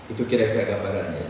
itu kira kira gambarannya